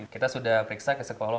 kita sudah periksa ke psikolog